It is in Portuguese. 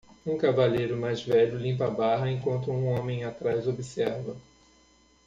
Um cavalheiro mais velho limpa a barra enquanto um homem atrás observa.